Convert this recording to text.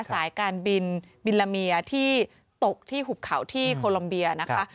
สายการบินบิลลาเมียที่ตกที่หุบเขาที่โคลัมเบียนะคะ